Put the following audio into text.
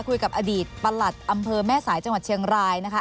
คุยกับอดีตประหลัดอำเภอแม่สายจังหวัดเชียงรายนะคะ